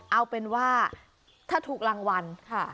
เอาเป็นว่าถ้าถูกรางวัลค่ะ